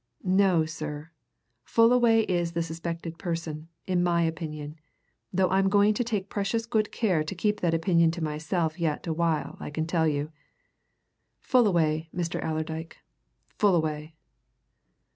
No, sir Fullaway is the suspected person, in my opinion! though I'm going to take precious good care to keep that opinion to myself yet awhile, I can tell you. Fullaway, Mr. Allerdyke, Fullaway!"